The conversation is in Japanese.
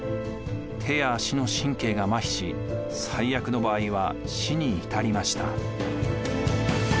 手や足の神経がまひし最悪の場合は死に至りました。